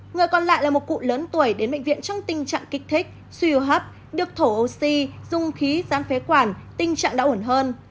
người còn lại là một cụ lớn tuổi đến bệnh viện trong tình trạng kích thích suy hô hấp được thổ oxy dùng khí gián phế quản tình trạng đã ổn hơn